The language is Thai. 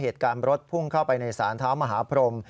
เหตุการณ์รถพุ่งเข้าไปในศาลเท้ามหาพรม